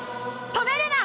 止めるな！